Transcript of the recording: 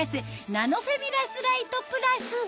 ナノフェミラスライトプラス